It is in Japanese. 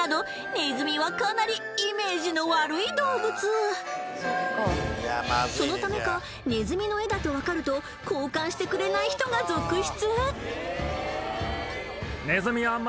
ネズミはかなりイメージの悪い動物そのためかネズミの絵だと分かると交換してくれない人が続出